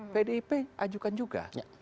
pdip ajukan juga